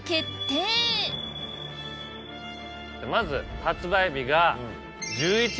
まず発売日が。